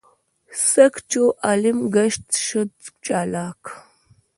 سګ چو عالم ګشت شد چالاک.